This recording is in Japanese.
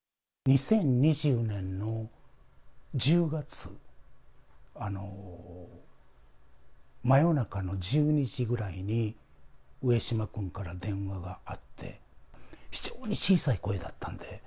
２０２０年の１０月、真夜中の１２時ぐらいに、上島君から電話があって、非常に小さい声だったんで。